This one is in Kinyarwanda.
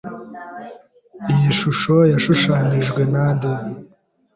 Iyi shusho yashushanijwe nande?